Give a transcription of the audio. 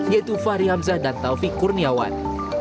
yaitu fahri hamzah dan taufik kurniawan